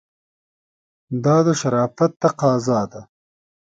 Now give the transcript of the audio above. دا د شرافت تقاضا ده.